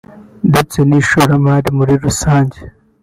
ndetse n’ishoramari muri rusange